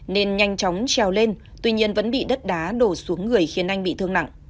nên nhanh chóng trèo lên tuy nhiên vẫn bị đất đá đổ xuống người khiến anh bị thương nặng